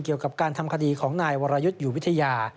เกี่ยวกับการทำคดีของนายวรยุทธ์อยู่วิทยา